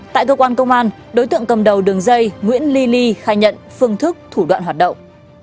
tại cơ quan công an đối tượng cầm đầu đường dây nguyễn ly ly khai nhận phương thức thủ đoạn hoạt động